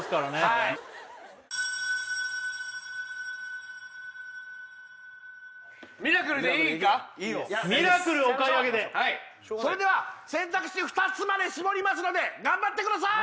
いいよミラクルお買い上げでそれでは選択肢２つまで絞りますので頑張ってください